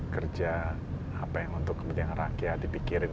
kerja apa yang untuk kepentingan rakyat dipikirin